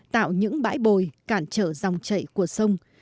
tạo những bãi bồi cản trở dòng chạy của sông